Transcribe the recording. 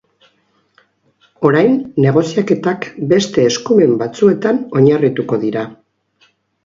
Orain negoziaketak beste eskumen batzuetan oinarrituko dira.